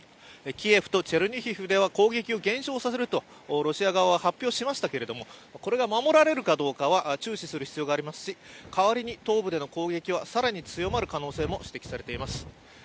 キエフとチェルニヒウでは攻撃を減少させるとロシア側は発表しましたけれどこれが守られるかどうかは注視する必要がありますし代わりに東部での攻撃は更に強まる可能性も指摘されています。